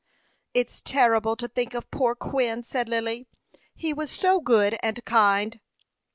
"It's terrible to think of poor Quin," said Lily. "He was so good and kind."